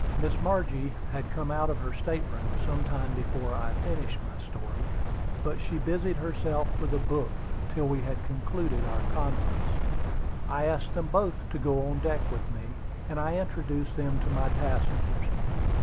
Miss Margie had come out of her state room some time before I finished my story; but she busied herself with a book till we had concluded our conference. I asked them both to go on deck with me, and I introduced them to my passengers.